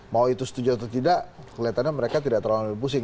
mau itu setuju atau tidak kelihatannya mereka tidak terlalu pusing